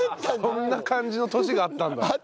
そんな感じの年があったんだ。